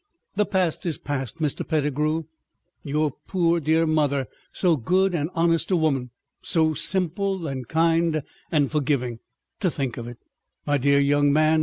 "The past is past, Mr. Pettigrew." "Your poor dear mother! So good and honest a woman! So simple and kind and forgiving! To think of it! My dear young man!"